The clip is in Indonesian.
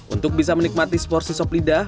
untuk bisa menikmati seporsi sop lidah